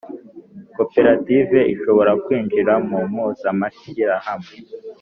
Koperative ishobora kwinjira mu mpuzamashyirahamwe